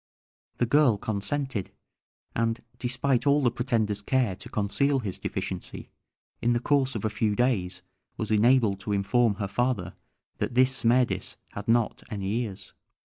The girl consented, and, despite all the pretender's care to conceal his deficiency, in the course of a few days was enabled to inform her father that this Smerdis had not any ears.